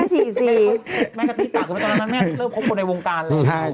แม่ก็ตี้ปากคือว่าตอนนั้นแม่เริ่มคบคนในวงการเลย